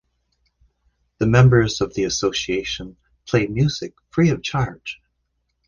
The members of the association play music free of charge.